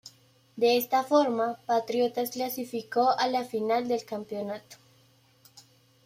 De esta forma, Patriotas clasificó a la final del campeonato.